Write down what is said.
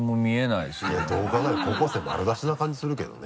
いやどう考えても高校生丸出しな感じするけどね。